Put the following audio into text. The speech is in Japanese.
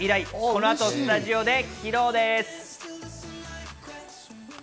この後、スタジオで披露です。